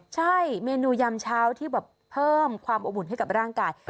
ใช่เมนูยำเช้าที่แบบเพิ่มความอบอุ่นให้กับร่างกาย